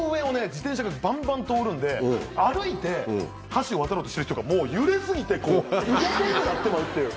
自転車がばんばん通るんで歩いて橋を渡ろうとしてる人がもう揺れ過ぎてこう動けんくなってまうっていう。